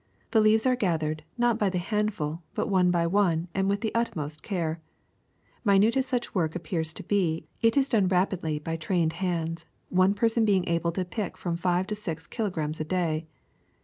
The leaves are gathered, not by the handful, but one by one and with the utmost care. Minute as such work appears, it is done rapidly by trained hands, one person being able to pick from five to six kilograms a day.